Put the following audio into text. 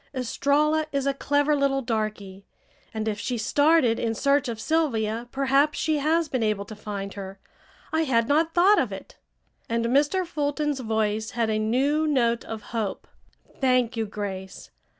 Estralla is a clever little darky, and if she started in search of Sylvia perhaps she has been able to find her. I had not thought of it," and Mr. Fulton's voice had a new note of hope. "Thank you, Grace.